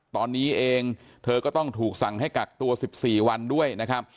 ตอนนี้เองเธอก็ต้องถูกสั่งให้กักตัว๑๔วันด้วยนะครับ